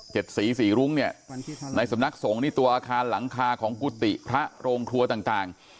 สีสีรุ้งเนี่ยในสำนักสงฆ์นี่ตัวอาคารหลังคาของกุฏิพระโรงครัวต่างต่าง